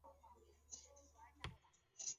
硝酸酯也是一类药物。